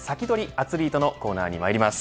アツリートのコーナーにまいります。